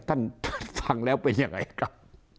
ฟังแล้วเป็นยังไงครับ